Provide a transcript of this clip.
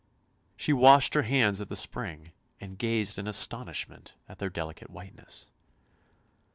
She washed her hands at the spring, and gazed in astonishment at their delicate whiteness.